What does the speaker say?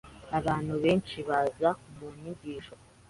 Abantu benshi baza mu nyigisho.